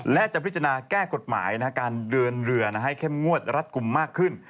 และจะพิจารณาแก้กฎหมายการเดินเรือให้เข้มงวดรัดกลุ่มมากขึ้น